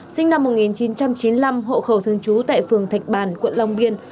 sinh năm một nghìn chín trăm chín mươi năm hộ khẩu thương chú tại phường thạch bàn quận long biên